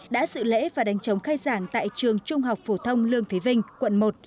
đã dự lễ và đánh chống khai giảng tại trường trung học phổ thông lương thế vinh quận một